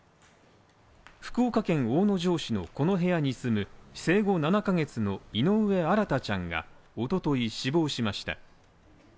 福岡県大野城市のこの部屋に住む生後７ヶ月の井上新大ちゃんがおととい死亡しました。